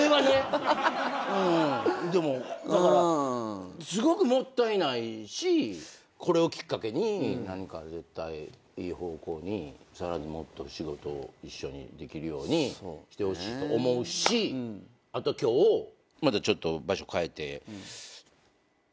だからすごくもったいないしこれをきっかけに何か絶対いい方向にさらにもっと仕事を一緒にできるようにしてほしいと思うしあと今日またちょっと場所変えてお歌を。